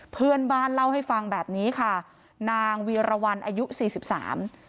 เพื่อนบ้านเล่าให้ฟังแบบนี้ค่ะนางวีรวรรณอายุสี่สิบสาม